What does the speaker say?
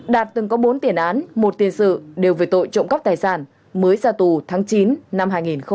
đạt từng có bốn tiền án một tiền sự đều về tội trộm cắp tài sản mới ra tù tháng chín năm hai nghìn một mươi ba